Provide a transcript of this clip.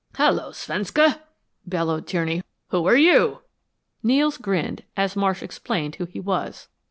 "Hello Svenska!" bellowed Tierney. "Who are you?" Nels grinned as Marsh explained who he was.